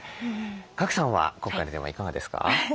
賀来さんは今回のテーマいかがですか？